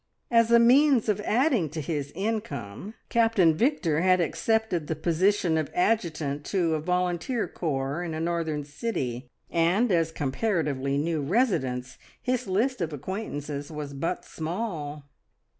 As a means of adding to his income Captain Victor had accepted the position of adjutant to a volunteer corps in a northern city, and, as comparatively new residents, his list of acquaintances was but small.